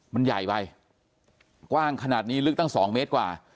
มันใหญ่ไปกว้างขนาดนี้ลึกตั้ง๒เมตรกว่า